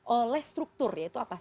oleh struktur yaitu apa